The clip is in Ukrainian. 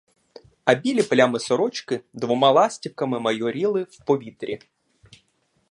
А білі плями сорочки двома ластівками майоріли в повітрі.